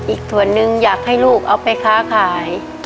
อีกส่วนหนึ่งอยากให้ลูกเอาไปค้าขาย